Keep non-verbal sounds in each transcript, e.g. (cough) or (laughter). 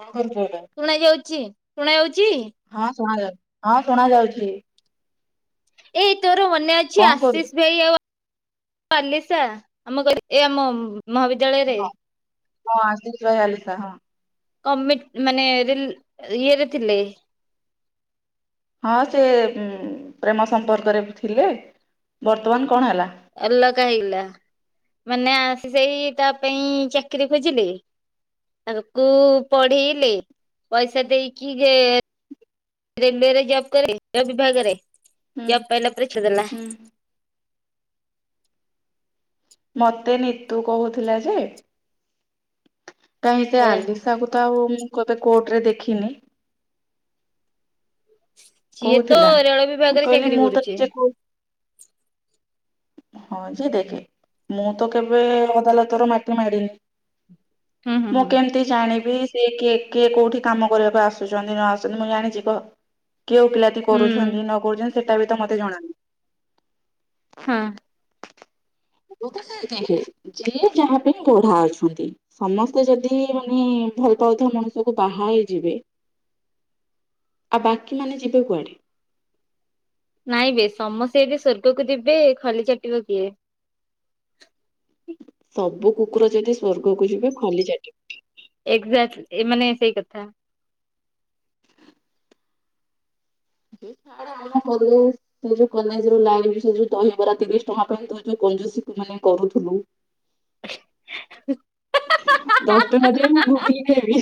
ହୁଁ। ଶୁଣା ଯାଉଛି, ଶୁଣା ଯାଉଛି? ଣାଉ ହଁ ଶୁଣା ଯାଉଛି। ଏଇ ତ ମୋର ମନେ ଅଛି କଣ କରୁଚୁ ଆଶିଷ ଭାଇ କତୁର ଆଉ କାଲିସା ମୁଁ କହିଲି ଆମ ଏ ଆମ ମହାବିଦ୍ୟାଳୟରେ ହଁ ହଁ ଆଶିଷ ଭାଇ ଆଲିସା ହଁ । କମିଟ ମାନେ ଫେଲ ଇଏରେ ଥିଲେ। ହଁ ସେ ପ୍ରେମ ସମ୍ପର୍କରେ ଥିଲେ ବର୍ତ୍ତମାନ କଣ ହେଲା? ଅଲଗା ହେଇଲା ମାନେ ଆସି ସେଇ ତା ପାଇଁ ଚାକିରି ଖୋଜିଲେ ତାକୁ ପଢେଇଲେ ପଇସା ଦେଇକି ଯେ। ରେଲୁୱେ ରେ ଜବ କରେ ଯ ବିଭାଗ ରେ ହୁଁ ଯବ ପାଇଲା ପରେ ଛାଡି ଦେଲା। ହୁଁ ମତେ ନିତୁ କହୁଥିଲା ଯେ କାଇଁ ସେ ଆଲିସାକୁ ତ ଆଉ ମୁ କେବେ କୋର୍ଟ ରେ ଦେଖିନି। ସିଏ ତ କହୁଥିଲା ରେଳ ମୁଁ ବିଭାଗରେ କହିଲି ଚାକିରି ମୁଁ ତ କରୁଛି। ନିଜେ କୋ- ହଁ ଯିଏ ଦେଖେ ମୁଁ ତ କେବେ ଅଦାଲତ ର ମାଟି ମାଡିନି। ହୁଁ ହୁଁ ମୁଁ ହୁଁ କେମିତି ଜାଣିବି? ସେ କି କିଏ କୋଉଠି କାମ କରିବାକୁ ଆସୁଛନ୍ତି ନ ଆସୁଛନ୍ତି ମୁଁ ଜାଣିଛି କହ। କେଉ ପିଲାତି ହୁଁ କରୁଛନ୍ତି ନ କରୁଛନ୍ତି? ସେଟା ବି ତ ମତେ ଜଣାନି। ହଁ (inaudible) ଯିଏ ଯାହା ପାଇଁ ଗଢା ଅଛନ୍ତି ସମସ୍ତେ ଯଦି ମାନେ ଭଲ ପାଉଥିବା ମଣିଷକୁ ବାହା ହେଇ ଯିବେ ଆଉ ବାକି ମାନେ ଯିବେ କୁଆଡେ ନାଇଁ ବ ସମସ୍ତେ ଏଠି ସ୍ଵର୍ଗକୁ ଯିବେ ଖାଲି ଚାଟିବ କିଏ? ସବୁ କୁକୁର ଯଦି ସ୍ଵର୍ଗକୁ ଯିବେ ଖଲି ଚାଟିବ କିଏ? ଏକ୍ଜାଟଲି ମାନେ ସେଇ କଥା। କ ଯ ଯ ଦହିବରା ତିରିଶ ଟଙ୍କା ପାଇଁ ତ ଯୋଉ କଞ୍ଜୁ ମାନେ କରୁଥିଲୁ। (inaudible) ଦଶଟା ବାଜ ମୁଁ ଘୁକୁ ଯବି।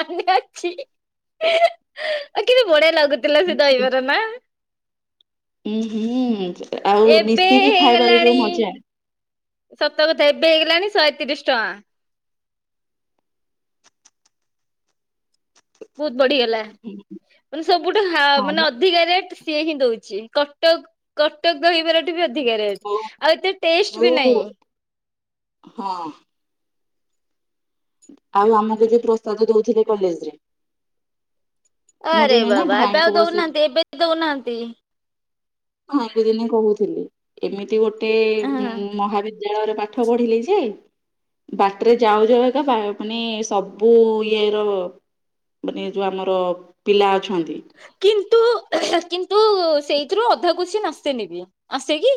ଅନ୍ୟ ଅଛି ଆଉ କେତେ ବଢିଆ ଲାଗୁ? ଥିଲା ସେ ଦହବାର ନା ହୁଁ ହୁଁ। ଆଉ ଏବେ ମିଶିକି ଖାଇବାର ଯୋଉ ହେଇଗଲାଣି ମଜା ସତ କଥା ହେ। ବଢିଲାନି ଶଇଁତିରିଶ ଟଙ୍କା। (unintelligible) ବଢିଗଲା ମାନେ ସବୁଠୁ ହଁ ମାନେ ମ ଅଧିକା ରେଟ୍ ସିଏ ହିଁ ଦଉଛି କଟକ କଟକ ରହିବାଠୁ ବି ଆଉ ଏତେ ଟେଷ୍ଟ ବି ଯୋଉ ନାଇ। ହଁ ଆଉ ଆମକୁ ଯ ପ୍ରସ୍ତାଦ ଦଉଥିଲେ। କଲେଜରେ ଆରେ ବାବା ଏବେ ଆଉ ବସିକି ଦଉନାହାନ୍ତି ଏବେ ଦଉନାହାନ୍ତି। ଭାଇ ଙ୍କୁ ଦିନେ କହୁଥିଲି ଏମିତି । ମିତି ଗୋଟେ ହଁ ମହା ବିଦ ଦ୍ୟାଳୟରେ ପାଠ ପଢିଲେ ଯାଏ ବାଟରେ ଯାଉ ଯାଉ ଏକା ମାନେ ସବୁ ଇଏ ର ମାନେ ଯୋଉ ଆମର ପିଲା ଅ କିନ୍ତୁ କିନ୍ତୁ । ସେଇଥିରୁ ଅଧା କୋଶଚୀନ୍ ଆସେନି ନିବି ଆସେ କିି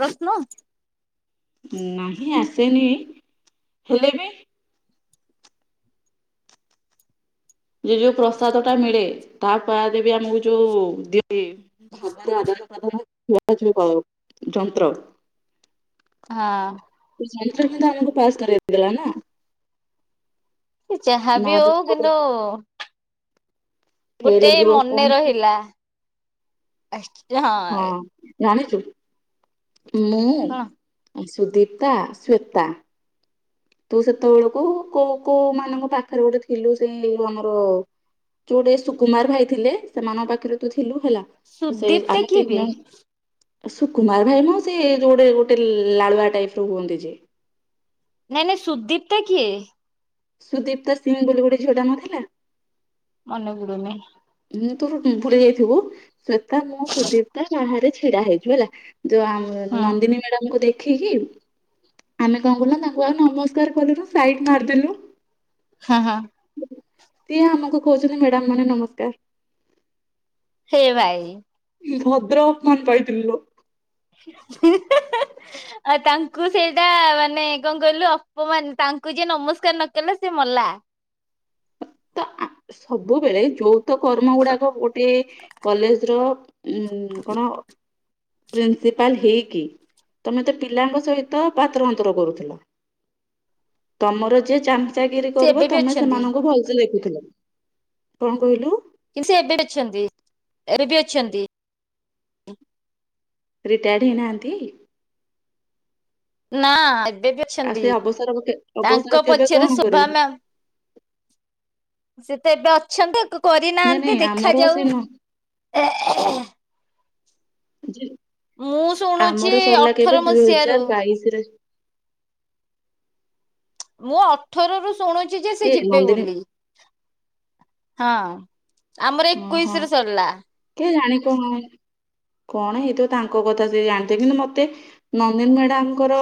ପ୍ରଶ୍ନ? ନାହିଁ ଆସେନି ହେଲେ ବି । ଇଏ ଯୋଉଁ ପ୍ରସାଦ ଟା ମିଳେ । ତା ବାଦ ବି ଆମକୁ ଯୋଉ ଦିଆ ହୁଏ ଭାବରେ ଆଦାନ ପ୍ରଦାନ ଯୋଉ ଯନ୍ତ୍ର । ହଁ । (unintelligible) ତାଙ୍କୁ ପାସ୍ କରିବାକୁ ଦେଲା ନା । ସେ ଯାହା ବି ହଉ କିନ୍ତୁ । ଫେଲ ଗୋଟେ ହେଇକି ମନେ ବସିଥାନ୍ତି। ରହିଲା । ଅଷ୍ଟ ହଁ (unintelligible) ଜାଣିଛୁ। ମୁଁ କଣ । ସୁଦୀପ୍ତା ଶ୍ଵେତା । ତୁ ସେତେବେଳକୁ କୋଉ କୋଉ ମାନଙ୍କ ପାଖରେ ଗୋଟେ ଥିଲୁ ସେଇ ଆମର ଯୋଉଟେ ସୁକୁମାର ଭାଇ ଥିଲେ ସେମାନଙ୍କ ପାଖରେ ତୁ ଥିଲୁ ହେଲା । ସୁଦୀପ୍ତା କିିଏ ବେ? ସୁକୁମାର ଭାଇ ନୁହଁ ସେ ଯୋଉଟେ ଗୋଟେ ଲାଳୁଆ ଟାଇପ ର ହୁଅନ୍ତି ଯେ। ନାଇଁ ନାଇଁ ସୁଦୀପ୍ତା କିଏ? ସୁଦୀପ୍ତା ସିଂହ ବୋଲିୁ ଗୋଟେ ଝିଅ ଟା ନଥିଲା । (unintelligible) ମୁଁ ତୋର ଭୁଲି ଯାଇଥିବୁ । ଶ୍ଵେତା ମୁଁ ସୁଦୀପ୍ତା ବାହାରେ ଛି ଛିଡା ହେଇଛୁ ହେଲା । ଯୋଉ ଆମ ହଁ ନନ୍ଦିନୀ ମ୍ୟାଡାମକୁ ଦେଖ ଖିକି ଆମେ କଣ କଲ ତାଙ୍କୁ ଆଉ ନମସ୍କାର କରିବୁ ସାଇଟ ମାରିଦେଲୁ । ହଁ ହଁ । ସିଏ ଆମକୁ କହୁଛନ୍ତି ମ୍ୟାଡାମ ମାନେ ନମସ୍କାର । ହେ ଭାଇ । ଭଦ୍ର ଅପମାନ ପାଇଥିଲୁ ଲୋ । ଆଉ ତାଙ୍କୁ ସେଇଟା ମାନେ କଣ କହିଲୁ ଅପମାନ ତାଙ୍କୁ ଯେ ନମସ୍କାର ନକଲା ସେ ମଲା । ତା ଆ କ ସବୁବେଳେ ଯୋଉ । ତୋ କର୍ମ ଗୁଡାକ ଗୋଟେ କଲେଜ ର । ଉଁ କଣ । ପ୍ରିନ୍ସିପାଲ ହେଇକି ତମେ ତ ପିଲାଙ୍କ ସହିତ ପାତର ଅନ୍ତର କରୁଥିଲ ତମର ଯେ ଚାମ ଚାଗିରି ସେ କରିବ ଏବେ ବି ତମେ ଅଛନ୍ତି ସେମାନଙ୍କୁ ଭଲ । ଦେଖୁଥିଲ କଣ କହିଲୁ? କିନ୍ତୁ ସେ ଏବେ ଅଛନ୍ତି। ଏବେ ବି ଅଛନ୍ତି। ରିଟାୟାର୍ଡ ହେଇନାହାନ୍ତି? ନା। ଏବେ ବି ଆଉ ଅଛନ୍ତି ସେ ଅବସର କେ ଅବସର ତାଙ୍କ କେବେ ପଛରେ ଗ୍ରହଣ ଶୋଭ କରିବେ ମ୍ୟାମ୍ ସେତେ ଏବେ ଅଛନ୍ତି ଆଉ କ ନାଇଁ ନାଇଁ କରିନାହାନ୍ତି ଆମର ସେ ଦେଖାଯାଉ। ନ ଯେ ମୁଁ ଶୁଣୁଛି ଆମର ସରିଲା କେବେ ଅଠର ଦୁଇ ମସିହାରୁ ହଜାର ବାଇଶ ରେ ମୁଁ ଅଠର ରୁ ଶୁଣୁଚ କି ଯେ ସେ କେ ଯିବେ ନନ୍ଦିନୀ ବୋଲି। ହଁ। ଆମର ଓହୋ ଏକୋଇଶି ରେ ସରିଲା କେ ଜାଣି କଣ କଣ ଏଇ ତ ତାଙ୍କ କଥା ସେ ଜାଣିଥେ କିନ୍ତୁ ମତେ ନନ୍ଦିନ ମେଡାମଙ୍କର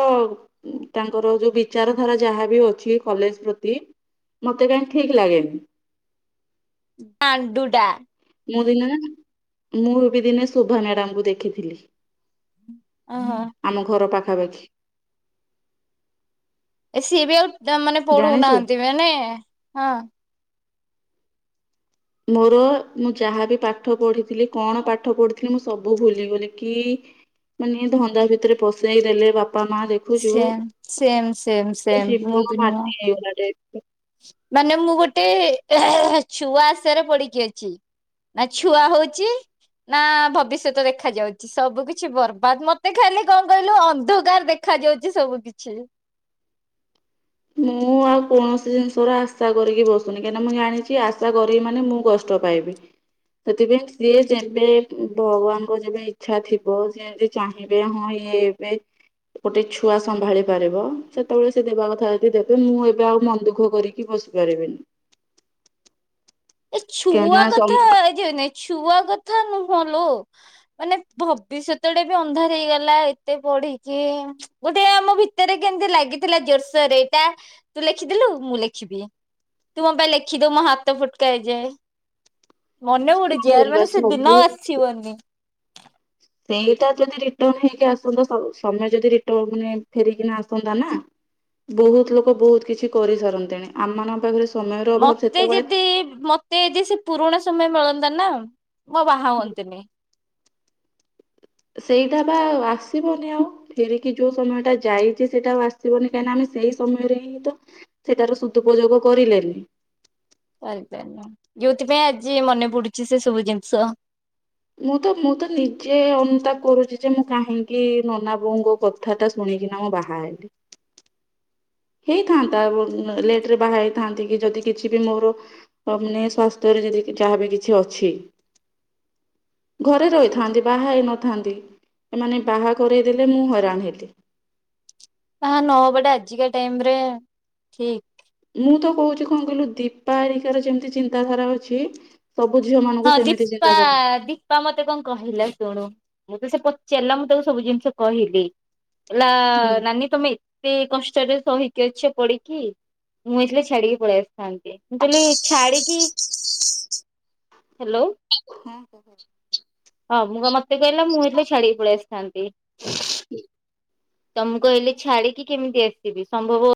ତାଙ୍କର ଯୋଉ ବିଚାରଧାରା ଯାହାବି ଅଛି କଲେଜ ପ୍ରତି ମତେ କାହିଁ ଠିକ ଲାଗେନି। ଦାଣ୍ଡୁଡା ମୁଁ ଦିନ ନା ମୁଁ ବି ଦିନେ ଶୋଭା ମ୍ୟାଡାମକୁ ଦେଖିଥିଲି। ଓହୋ ଆମ ଘର ପାଖ ପାଖାପାଖି। ଏ ସିଏ ବି ଆଉ ଡାମ ମାନେ ଜାଣିଛୁ ପଢଉନାହାନ୍ତି ମାନେ ହଁ। ମୋର ମୁଁ ଯାହାବି ପାଠ ପଢିଥିଲି କଣ ପାଠ ପଢିଥିଲି ମୁଁ ସବୁ ଭୁଲିଗଲି କି ମାନେ ଧନ୍ଦା ଭିତରେ ପସେଇ ଦେଲେ ବା ସେମ ସେମ ସେମ ସେମ ମୁଁ ଜୀବନ ବି ନୁହଁ। ମାଟି (inaudible) ମାନେ ମୁଁ ଗୋଟେ ଛୁଆ ଆଶାରେ ପଡିକି ଅଛି ନା ଛୁଆ ହଉଛି ନା ଭବିଷ୍ୟତ ଦେଖାଯାଉଛି ସବୁ କିଛି ବର୍ବାଦ ମତେ ଖାଲି କଣ କହିଲୁ ଅନ୍ଧକାର ଦେଖା ଯାଉଛି ସବୁ କିଛି। ମୁଁ ଆଉ କୌଣସି ଜିନିଷର ଆଶା କରିକି ବସୁନି କାହିଁକିନା ମୁଁ ଜାଣିଛି ଆଶା କରିବି ମାନେ ମୁଁ କଷ୍ଟ ପାଇବି ସେଥିପାଇଁ ସିଏ ଯେବେ ଭଗବାନଙ୍କ ଯେବେ ଇଚ୍ଛା ଥିବ ସେ ଯଦି ଚାହିଁବେ ହଁ ଇଏ ଏବେ ଗୋଟେ ଛୁଆ ସମ୍ଭାଳି ପାରିବ ସେତେବେଳେ ସିଏ ଦେବା କଥା। ଦେବେ ମୁଁ ଏବେ ଆଉ ମନ ଦୁଃଖ କରିକି ବସିପାରିବିନି। ଏ ଛୁଆ କଥା ଏ ଯଉ ନାଇ ଛୁଆ କଥା ନୁହଁ ଲୋ ମାନେ ଭବିଷ୍ୟତଟେ ବି ଅନ୍ଧାର ହେଇଗଲା ଏତେ ପଢିକି ଗୋଟେ ଆମ ଭିତରେ କେମିତି ଲାଗିଥିଲା ଜୋରସୋରରେ ଏଇଟା ତୁ ଲେଖିଦଲୁ ମୁଁ ଲେଖିବି ତୁ ମୋ ପାଇଁ ଲେଖିଦଉ ମୋ ହାତ ଫୁଟ କେ ହେଇଯାଏ। ମନେ ପଡୁଛି କଣ ୟାର କରିବା ମାନେ ସେ ଦିନ ସବୁ ଆଉ ଆସିବନି। ସେଇଟା ଯଦି ରିଟର୍ନ ହେଇକି ଆସନ୍ତା ସ ସମୟ ଯଦି ରିଟର୍ନ ମାନେ ଫେରିକିନା ଆସନ୍ତା ନା ବହୁତ ଲୋକ ବହୁତ କିଛି କରିସାରନ୍ତେଣି ଆମ ମାନଙ୍କ ପାଖରେ ସମୟର ଅଭାବ ମତେ ସେତେବେଳେ ଯଦି ମତେ ଯଦି ସେ ପୁରୁଣା ସମୟ ମିଳ ନ୍ତା ନା। ମୁଁ ଆଉ ବାହା ହୁଅନ୍ତିନି। ସେଇଟା ବା ଆଉ ଆସିବନି ଆଉ ଫେରିକି ଯୋଉ ସମୟଟା ଯାଇଛି ସେଇଟା ଆଉ ଆସିବନି କାହିଁକିନା ଆମେ ସେଇ ସମୟରେ ହିଁ ତ ସେଟାର ସୁଦୁପଯୋଗ କରିଲେନି। କରିପାରିଲୁନ ଯଉଥିପାଇଁ ଆଜି ମନେ ପଡୁଛି ସେ ସବୁ ଜିନିଷ। ମୁଁ ତ ମୁଁ ତ ନିଜେ ଅନୁତାପ କରୁଛି ଯେ ମୁଁ କାହିଁକି ନନା ବୋଉଙ୍କ କଥା ଟା ଶୁଣିକିନା ମୁଁ ବାହା ହେଲି। ହେଇଥାନ୍ତା ଲେଟ ରେ ବାହା ହେଇଥାନ୍ତି କି ଯଦି କିଛି ବି ମୋର ମାନେ ସ୍ୱାସ୍ଥ୍ୟରେ ଯଦି ଯାହାବି କିଛି ଅଛି ଘରେ ରହିଥାନ୍ତି ବାହା ହେଇନଥାନ୍ତି ଏମାନେ ବାହା କରେଇ ଦେଲେ ମୁଁ ହଇରାଣ ହେଲି। ବାହା ନ ହବା ଟା ଆଜିକା ଟାଇମ ରେ ଠିକ। ମୁଁ ତ କହୁଛି କଣ କହିଲୁ ଦୀପା ଆରିକାର ଯେମିତି ଚିନ୍ତାଧାରା ଅଛି। ସବୁ ଝିଅ ହଁ ମାନଙ୍କୁ ସେମିତି ଦୀପା ଚିନ୍ତାଧାରା ଦୀପା ମତେ କଣ କହିଲା ଶୁଣୁ। ମୁଁ ତ ସେ ପଚାରିଲା ମୁଁ ତାକୁ ସବୁ ଜିନିଷ କହିଲି। ଲା ହୁଁ। ନାନି ତୁମେ ଏତେ କଷ୍ ସ୍ଟ ରେ ସହିକି ଅଛ ପଡିକି ମୁଁ ଏଇଥିଲେ ଛାଡିକି ପଳେଇ ଆସିଥାନ୍ତି। ମୁଁ କହିଲି ଛାଡିକି। ହାଲୋ। ହୁଁ କହ। ହଁ ମୁଁ ବା ମ ମତେ କହିଲା ମୁଁ ହେଇଥିଲେ ଛାଡିକି ପଳେଇଆସିଥାନ୍ତ ଏ। ହୁଁ। ତ ମୁଁ କହିଲି ଛାଡିକି କେମିତି ଆସିବି ସମ୍ଭବ।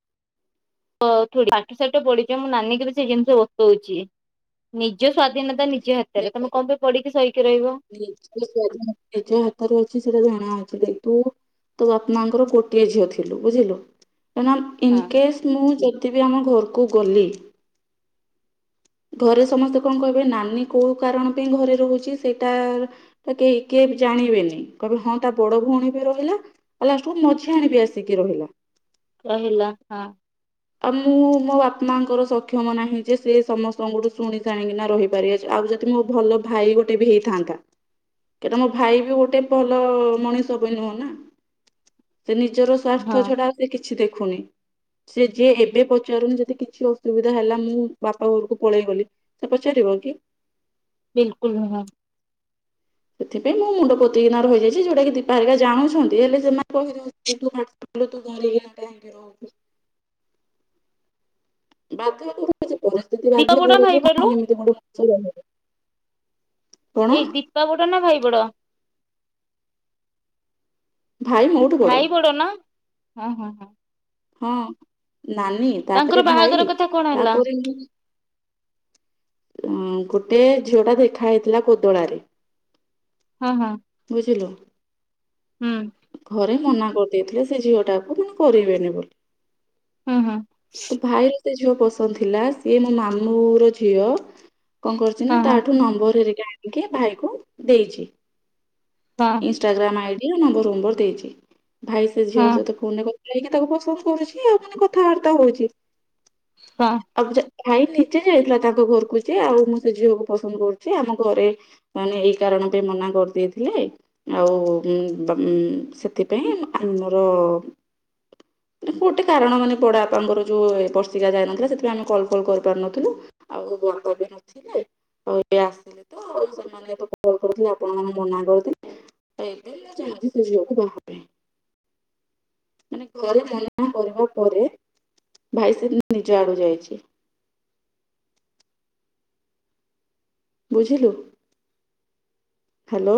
ଠ ସାଠ ପଡିଯ ମୁଁ ନାନୀ କେ ବି ସେ ଜିନିଷ ବସଉଛି ନିଜ ସ୍ଵାଧୀନତା ନି ନିଜ ହାତରେ ଅଛି ସେଟା ଜଣା ଅଛି। ତୁ ତୋ ବାପ ମାଙ୍କର ଗୋଟିଏ ଝିଅ ଥିଲୁ ବୁଝିଲୁ। କାହିଁକିନା ହଁ ଇନକେଶ ମୁଁ ଯଦି ବି ଆମ ଘରକୁ ଗଲି ଘରେ ସମସ୍ତେ କଣ କହିବେ ନାନୀ କୋଉ କାରଣ ପାଇଁ ଘରେ ରହୁଛି ସେଇଟା କେହି କେ ଜାଣିବେନି କହିବେ ହଁ ତା ବଡ ଭଉଣୀ ବି ରହିଲା ଆଉ ଲାଷ୍ଟକୁ ମଝିଆ ଆଣ ବି ଆସିକି ରହିଲା। କହିଲା ହଁ, ଆଉ ମୁଁ ମୋ ବାପାଙ୍କର ସକ୍ଷମ ନାହିଁ ଯେ ସେ ସମସ୍ତଙ୍କଠୁ ଶୁଣିସାଣିକିନା ରହିପାରିବଛି ଆଉ ଯଦି ମୋ ଭଲ ଭାଇ ଗୋଟେ ବି ହେଇଥାନ୍ତା କହିଁ ମୋ ଭାଇ ବି ଗୋଟେ ଭଲ ମଣିଷ ପାଇଁ ନୁହଁ ନା। ସେ ନିଜର ସ୍ୱାର୍ଥ ହଁ ଛଡା ସେ କିଛି ଦେଖ ଦେଖୁନି, ସେ ଯିଏ ଏବେ ପଚାରୁନି ଯଦି କିଛି ଅସୁବିଧା ହେଲା ମୁଁ ବାପା ବିଲକୁଲ ନୁହଁ, ସେଥିପାଇଁ ମୁୋ ମୁଣ୍ଡ ପୋତିକିନା ରହିଯାଇଛି ଯୋଉଟା କି ଦୀପାହାରିକା ଜାଣୁଛନ୍ତି ହେଲେ ସେ କହି, ବାକି, ପରିସ୍ଥିତି ଦୀପା ବାଧ୍ୟ ବଡ ଭାଇ କରୁଚି ତା ବଡ ଚାଲ (inaudible) ଏଇ ଦୀପା ବଡ ନା ଭାଇ ବଡ ଭାଇ ମୋଠୁ ବଡ, ଭାଇ ନା ହଁ ହଁ ହଁ, ହଁ, ନାନୀ ତାଙ୍କର ତାପରେ ଭାଇ ବାହାଘର କଥା କଣ ହେଲା ତାପରେ, ଅ ଗୋଟେ ଝିଅ ଟା ଦେଖା ହେଇଥିଲା କୋଦଳାରେ, ହଁ ହଁ ବୁଝିଲ। ହୁଁ ଘରେ ମନା କରିଦେଇଥିଲେ ସେ ଝିଅ ଟାକୁ କରିବେନି ବୋଲି ହୁଁ ହୁଁ। ମୋତେ ଝିଅ ପସନ୍ଦ ଥିଲା ସିଏ ମୋ ମାମୁଁ ର ଝିଅ କଣ କରୁଛି ନା ହଁ ହଁ ତାଠୁ ନମ୍ବର ହେ ଜାଣିକି ଭାଇ କୁ ଦେଇଛି। ହଁ ଇଷ୍ଟାଗ୍ରାମ ଆଇ। (unintelligible) ନମ୍ୱର ଦେଇଛି। ଭାଇ ସେ ହଁ ଝିଅଙ୍କ ସହିତ ଫୋନରେ କ ଯାଇକି ତାକୁ ପସନ୍ଦ କରୁଛି ଆଉ ମାନେ କଥାବାର୍ତ୍ତା ହଉଛି ହଁ ଅଜା ଭାଇ ନିଜେ ଯାଇଥିଲା ତାଙ୍କ ଘରକୁ ଯେ ଆଉ ମୁଁ ସେ ଝିଅକୁ ପସନ୍ଦ କରୁଛି ଆମ ଘରେ ମାନେ ଏଇ କାରଣ ପାଇଁ ମନା କରିଦେଇଥିଲେ ଆଉ ଉଁ ସେଥିପାଇଁ ଆମର ଗୋଟେ କାରଣ ମାନେ ବଡ଼ବାପାଙ୍କର ଯୋଉ ବର୍ଷିକା ଯାଇନଥିଲା ସେଥିପାଇଁ ଆମେ କଲ ଫଲ୍ କରିପାରୁନଥିଲୁ ଆଉ। (unintelligible) ଝିଅ କୁ ବାହା ହେବା ପାଇଁ। (inaudible) ମାନେ ଘରେ ମନା କରିବା ପରେ ଭାଇ ସେଦିନ ନିଜ ଆଡୁ ଯାଇଛି। ବୁଝିଲୁ ହ୍ୟାଲୋ।